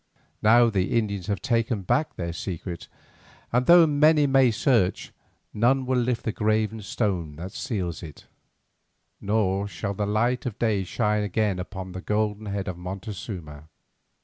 Now the Indians have taken back their secret, and though many may search, none will lift the graven stone that seals it, nor shall the light of day shine again upon the golden head of Montezuma.